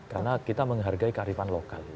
karena kita menghargai kearifan lokal